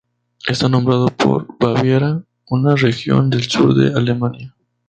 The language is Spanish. Está nombrado por Baviera, una región del sur de Alemania.